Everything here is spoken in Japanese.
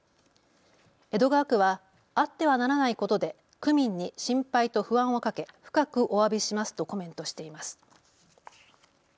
江戸川区はあってはならないことで区民に心配と不安をかけ深くおわびしますとコメントしています。